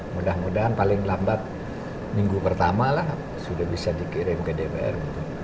mudah mudahan paling lambat minggu pertama lah sudah bisa dikirim ke dpr